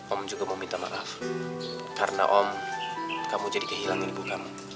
om juga meminta maaf karena om kamu jadi kehilangan ibu kamu